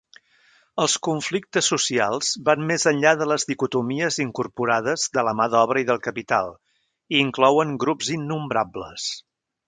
Els conflictes socials van més enllà de les dicotomies incorporades de la mà d'obra i del capital, i inclouen grups innombrables.